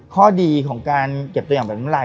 ข้อดีของการเก็บตัวอย่างแบบน้ำลาย